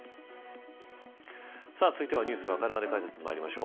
続いてはＮｅｗｓわかるまで解説まいりましょう。